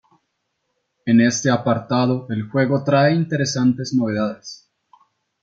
En este apartado el juego trae interesantes novedades.